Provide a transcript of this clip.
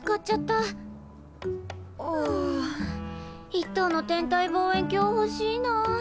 一等の天体望遠鏡ほしいな。